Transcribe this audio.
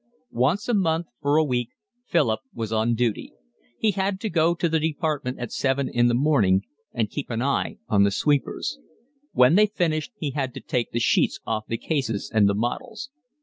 Once a month, for a week, Philip was 'on duty.' He had to go to the department at seven in the morning and keep an eye on the sweepers. When they finished he had to take the sheets off the cases and the models.